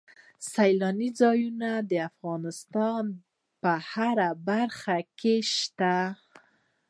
سیلاني ځایونه د افغانستان په هره برخه کې شته.